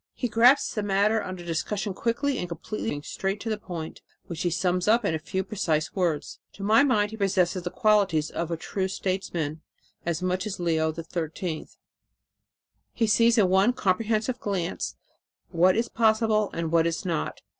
"He grasps the matter under discussion quickly and completely, going straight to the point, which he sums up in a few precise words. To my mind he possesses the qualities of a true statesman as much as Leo XIII. He sees in one comprehensive glance what is possible and what is not.